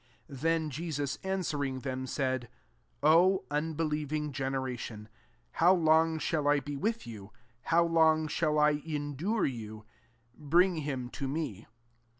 l9Then Jesus answering [^tAem,"] said, "O unbelieving genera tion, how long shall I be with you ? how long shall I endure you ? Bring him to me.''